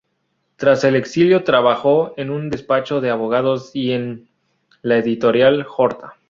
Tras el exilio trabajó en un despacho de abogados y en la Editorial Horta.